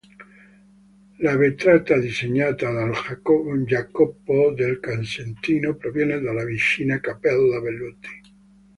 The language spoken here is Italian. La vetrata disegnata da Jacopo del Casentino proviene dalla vicina Cappella Velluti.